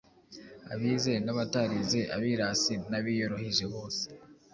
abize n’abatarize, abirasi n’abiyoroheje bose